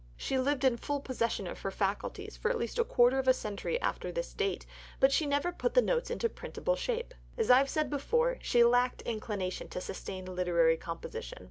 " She lived in full possession of her faculties for at least a quarter of a century after this date, but she never put the Notes into printable shape. As I have said before, she lacked inclination to sustained literary composition.